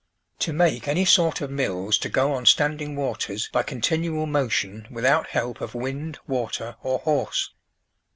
To make any sort of mills to go on standing waters by continual motion without help of wind, water, or horse.